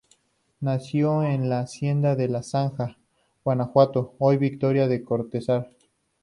Nació en la Hacienda de la Zanja, Guanajuato, hoy Victoria de Cortazar.